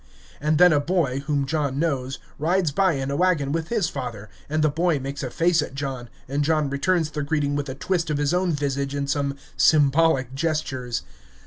And then a boy, whom John knows, rides by in a wagon with his father, and the boy makes a face at John, and John returns the greeting with a twist of his own visage and some symbolic gestures.